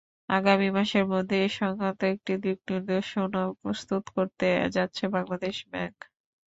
আগামী মাসের মধ্যে এ-সংক্রান্ত একটি দিকনির্দেশনাও প্রস্তুত করতে যাচ্ছে বাংলাদেশ ব্যাংক।